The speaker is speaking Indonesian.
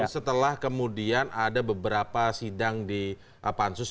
setelah kemudian ada beberapa sidang di pansus